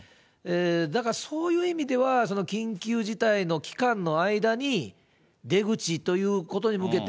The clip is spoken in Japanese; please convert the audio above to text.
だからそういう意味では、緊急事態の期間の間に、出口ということに向けて、